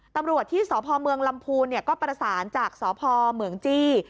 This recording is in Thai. ตำรวจที่สพเมืองลำพูนก็ประสานจากสพเหมืองจี้